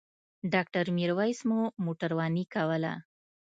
ډاکټر میرویس مو موټرواني کوله.